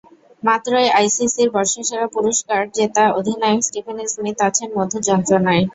মাত্রই আইসিসির বর্ষসেরা পুরস্কার জেতা অধিনায়ক স্টিভেন স্মিথ আছেন মধুর যন্ত্রণায়।